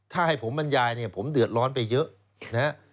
ถ้าให้ผมบรรยายผมเดือดร้อนไปเยอะ